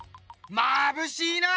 まぶしいな！